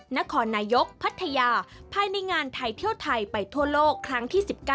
นครนายกพัทยาภายในงานไทยเที่ยวไทยไปทั่วโลกครั้งที่๑๙